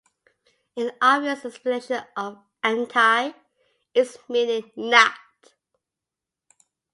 An obvious explanation of "anti" is meaning "not".